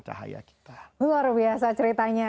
cahaya kita luar biasa ceritanya